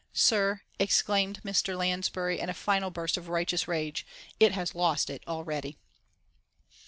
"Sir," exclaimed Mr. Lansbury, in a final burst of righteous rage, "it has lost it already."